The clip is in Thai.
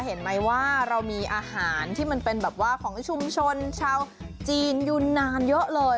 เห็นไหมว่าเรามีอาหารที่มันเป็นแบบว่าของชุมชนชาวจีนอยู่นานเยอะเลย